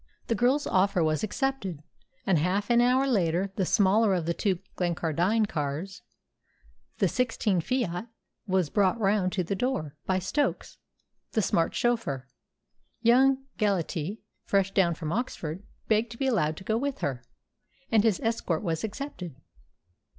The girl's offer was accepted, and half an hour later the smaller of the two Glencardine cars the "sixteen" Fiat was brought round to the door by Stokes, the smart chauffeur. Young Gellatly, fresh down from Oxford, begged to be allowed to go with her, and his escort was accepted.